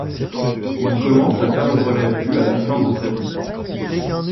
Il commence à perdre la vue à la fin de sa vie.